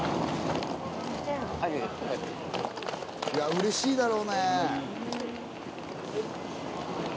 いやうれしいだろうね。